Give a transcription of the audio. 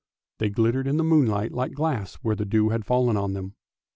They glittered in the moonlight like glass where the dew had fallen on them.